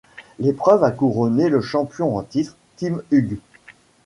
L'épreuve a couronné le champion en titre, Tim Hug.